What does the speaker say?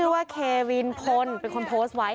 ว่าเควินพลเป็นคนโพสต์ไว้